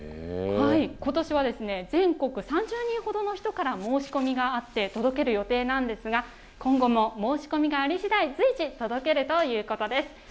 ことしは全国３０人ほどの方から申し込みがあって、届ける予定なんですが、今後も申し込みがありしだい、随時届けるということです。